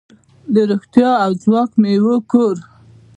د روغتیا او ځواک میوو کور.